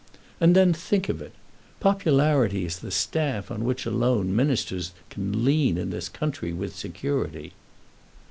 And, then, think of it! Popularity is the staff on which alone Ministers can lean in this country with security."